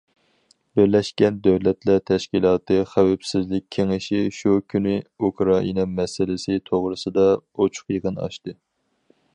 بىرلەشكەن دۆلەتلەر تەشكىلاتى خەۋپسىزلىك كېڭىشى شۇ كۈنى ئۇكرائىنا مەسىلىسى توغرىسىدا ئوچۇق يىغىن ئاچتى.